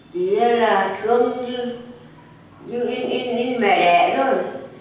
chị thương như những mẹ đẻ thôi